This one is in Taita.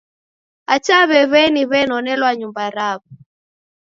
Hata w'ew'eni w'enonelwa nyumba raw'o.